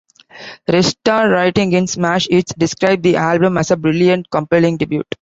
Red Starr, writing in "Smash Hits", described the album as a "brilliant, compelling debut".